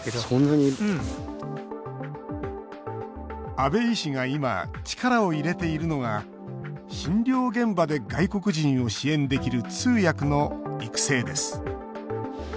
阿部医師が今、力を入れているのが診療現場で外国人を支援できる「通訳」の育成です。